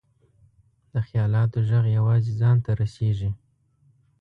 د خیالاتو ږغ یوازې ځان ته رسېږي.